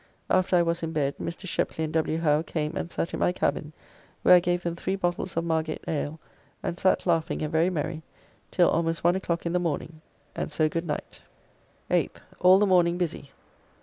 After I was in bed Mr. Sheply and W. Howe came and sat in my cabin, where I gave them three bottles of Margate ale, and sat laughing and very merry, till almost one o'clock in the morning, and so good night. 8th. All the morning busy.